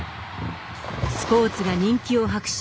スポーツが人気を博し